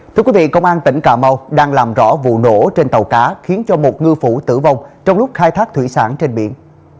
thưa quý vị công an tỉnh cà mau đang làm rõ vụ nổ trên tàu cá khiến cho một ngư phủ tử vong trong lúc khai thác thủy sản trên biển